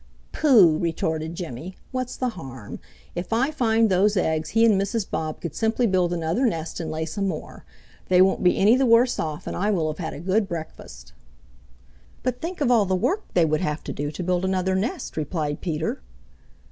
"Pooh!" retorted Jimmy. "What's the harm? If I find those eggs he and Mrs. Bob could simply build another nest and lay some more. They won't be any the worse off, and I will have had a good breakfast." "But think of all the work they would have to do to build another nest," replied Peter.